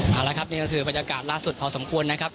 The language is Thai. เอาละครับนี่ก็คือบรรยากาศล่าสุดพอสมควรนะครับ